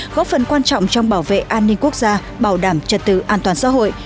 góp phần quan trọng trong bảo vệ an ninh quốc gia bảo đảm trật tự an toàn xã hội